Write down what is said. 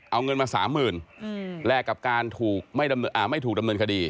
เอาเงินมา๓๐๐๐แลกกับการถูกไม่ถูกดำเนินคดี